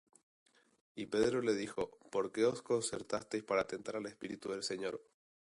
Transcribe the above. Y Pedro le dijo: ¿Por qué os concertasteis para tentar al Espíritu del Señor?